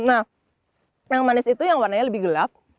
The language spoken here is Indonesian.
nah yang manis itu yang warnanya lebih gelap